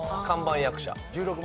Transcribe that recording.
看板役者。